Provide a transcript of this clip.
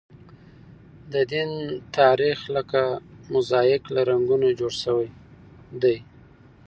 د دین تاریخ لکه موزاییک له رنګونو جوړ شوی دی.